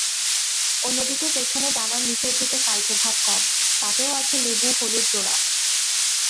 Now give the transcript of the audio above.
অন্যদিকে পেছনের ডানার নিচের দিকে কালচে ভাব কম, তাতেও আছে লেবু-হলুদ ডোরা।